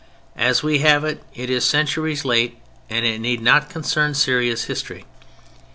As we have it, it is centuries late, and it need not concern serious history.